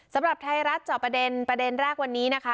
สำหรับไทยรัฐจอบประเด็นประเด็นแรกวันนี้นะคะ